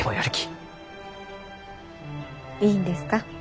いいんですか？